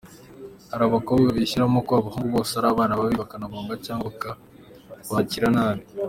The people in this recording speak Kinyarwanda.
Hari abakobwa bishyiramo ko abahungu bose ari abana babi, bakabahunga cyangwa bakabakira nabi.